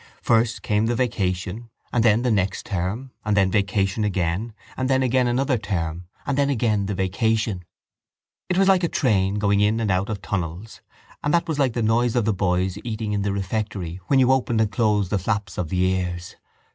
First came the vacation and then the next term and then vacation again and then again another term and then again the vacation. It was like a train going in and out of tunnels and that was like the noise of the boys eating in the refectory when you opened and closed the flaps of the ears.